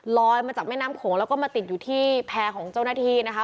มาจากแม่น้ำโขงแล้วก็มาติดอยู่ที่แพร่ของเจ้าหน้าที่นะคะ